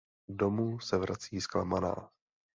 Domů se vrací zklamaná.